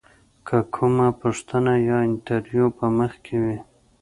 که کومه پوښتنه یا انتریو په مخ کې وي.